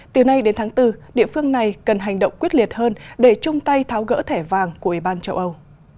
từ nay đến tháng bốn địa phương này cần hành động quyết liệt hơn để chung tay tháo gỡ thẻ vàng của ủy ban châu âu